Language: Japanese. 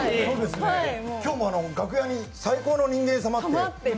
今日も楽屋に「最高の人間様」って。